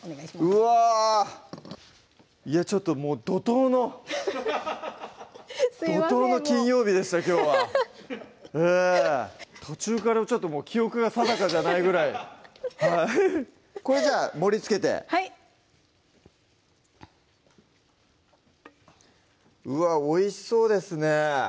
うわぁちょっともう怒涛の怒涛の金曜日でしたきょうは途中からちょっともう記憶が定かじゃないぐらいこれじゃあ盛りつけてはいうわっおいしそうですね